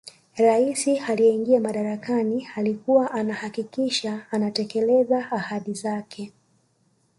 rais aliyeingia madarakani alikuwa anahakikisha anatekeleza ahadi zake